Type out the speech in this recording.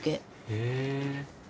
へえ。